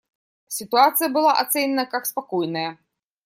Ситуация была оценена как спокойная.